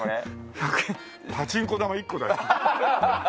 １００円パチンコ玉１個だよ。